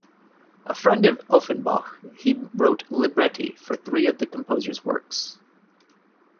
A friend of Offenbach, he wrote libretti for three of the composer's works.